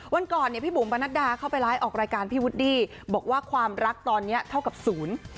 วันก่อนเนี่ยพี่บุ๋มประนัดดาเข้าไปไลฟ์ออกรายการพี่วุดดี้บอกว่าความรักตอนนี้เท่ากับศูนย์